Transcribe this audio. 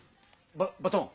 ババトン。